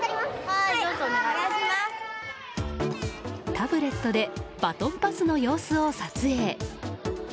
タブレットでバトンパスの様子を撮影。